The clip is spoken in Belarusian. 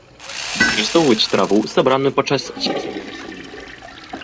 Выкарыстоўваюць траву, сабраную падчас цвіцення расліны.